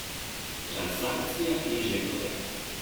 Transakcija je že potekla.